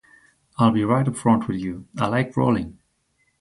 I'll be right upfront with you, I like brawling.